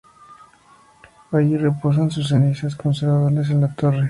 Allí reposan sus cenizas, conservadas en la torre.